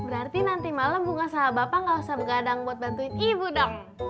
berarti nanti malam bunga sahabat gak usah begadang buat bantuin ibu dong